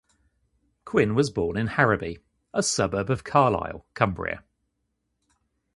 Quinn was born in Harraby, a suburb of Carlisle, Cumbria.